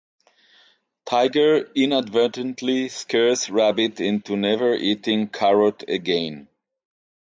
Tigger inadvertently scares Rabbit into never eating carrots again.